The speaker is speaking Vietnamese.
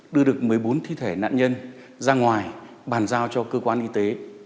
đưa được một mươi bốn thi thể nạn nhân ra ngoài bàn giao cho cơ quan y tế